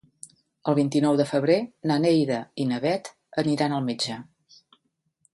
El vint-i-nou de febrer na Neida i na Bet aniran al metge.